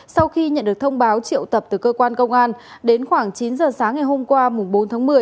sau khi nhận được thông báo triệu tập từ cơ quan công an đến khoảng chín giờ sáng ngày hôm qua bốn tháng một mươi